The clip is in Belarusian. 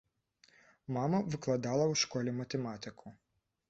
Мама выкладала ў школе матэматыку.